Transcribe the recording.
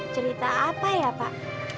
cerita apa ya pak